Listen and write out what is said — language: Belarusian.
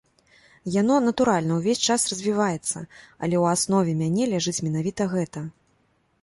Яно, натуральна, увесь час развіваецца, але ў аснове мяне ляжыць менавіта гэта.